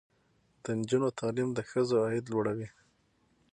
د نجونو تعلیم د ښځو عاید لوړوي.